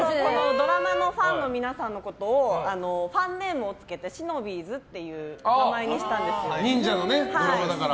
ドラマのファンの皆さんのことをファンネームを付けてしのびぃずっていう名前に忍者のドラマだから。